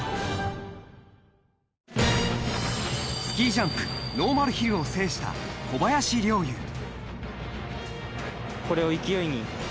スキージャンプノーマルヒルを制した小林陵侑。